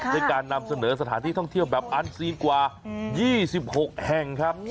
ในการนำเสนอสถานที่ท่องเที่ยวแบบอันซีนกว่า๒๖แห่งครับ